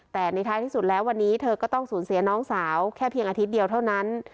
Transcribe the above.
แต่ในท้ายที่สุดแล้ววันนี้เธอก็ต้องสูญเสียน้องสาวแค่เพียงอาทิตย์เดียวเท่านั้น